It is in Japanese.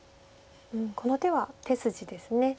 この手は手筋です。